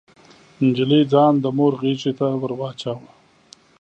نجلۍ ځان د مور غيږې ته ور واچاوه.